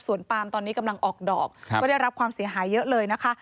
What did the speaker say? ส่วนปามตอนนี้กำลังออกดอกก็ได้รับความเสียหายเยอะเลยนะคะ